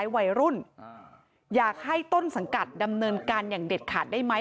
วัยรุ่นอยากให้ต้นสังกัดดำเนินการอย่างเด็ดขาดได้ไหม